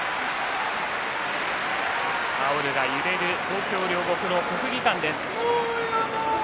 タオルが揺れる東京・両国の国技館です。